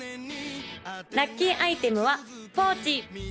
・ラッキーアイテムはポーチ